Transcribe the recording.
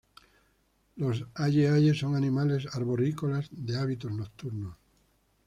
Los aye-ayes son animales arborícolas de hábitos nocturnos.